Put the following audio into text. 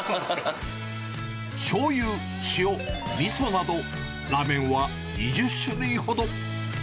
しょうゆ、塩、みそなど、ラーメンは２０種類ほど。